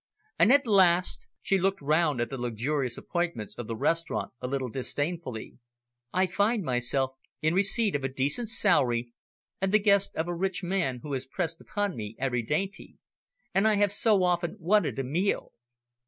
And, at last," she looked round at the luxurious appointments of the restaurant a little disdainfully, "I find myself in receipt of a decent salary, and the guest of a rich man who has pressed upon me every dainty. And I have so often wanted a meal!"